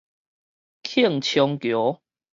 慶昌橋